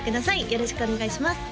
よろしくお願いします